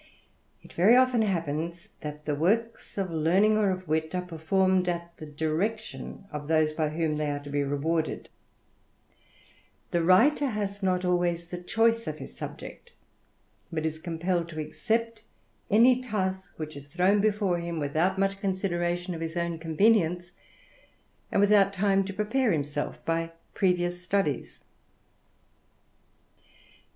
It ^^ often happens that the works of learning or of wit are P"forraed at the direction of those by whom they are to be ^2jWded; the writer has not always the choice of his 1 40 THE RAMBLER. subject, but is compelled to accept any task which is thrown before him without much consideration of his own convenience, and without time to prepare himself by previous studies.